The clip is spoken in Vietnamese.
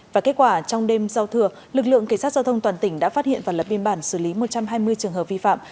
và kết quả trong đêm giao thừa lực lượng cảnh sát giao thông toàn tỉnh đã phát hiện và lập biên bản xử lý một trăm hai mươi trường hợp vi phạm